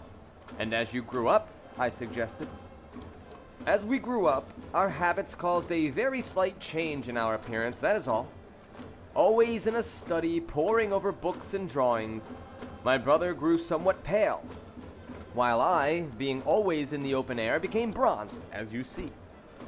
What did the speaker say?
"And as you grew up?" I suggested. "As we grew up our habits caused a very slight change in our appearance, that is all. Always in a study, poring over books and drawings, my brother grew somewhat pale, while I, being always in the open air, became bronzed, as you see."